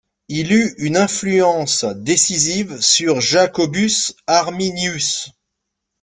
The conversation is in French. Il eut une influence décisive sur Jacobus Arminius.